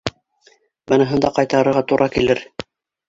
Быныһын да ҡайтарырға тура килер.